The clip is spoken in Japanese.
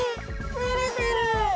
てれてる！